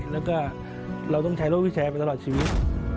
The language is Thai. แล้วก็เราต้องใช้โรควิแชร์ไปตลอดชีวิต